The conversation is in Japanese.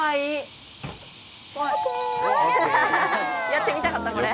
やってみたかったんこれ。